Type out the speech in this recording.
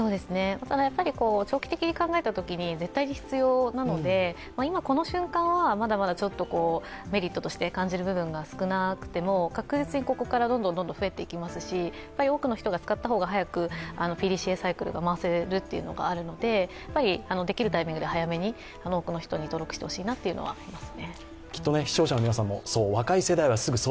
ただ、長期的に考えたときに絶対に必要なので、今、この瞬間はまだまだメリットとして感じる部分が少なくても、確実にここからどんどん増えていきますし多くの人が使った方が早くＰＤＣＡサイクルが回せるというのがあるのでできるタイミングで早めに多くの人に登録してほしいと思います。